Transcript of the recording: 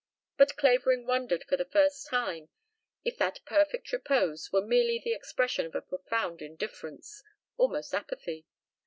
But Clavering wondered for the first time if that perfect repose were merely the expression of a profound indifference, almost apathy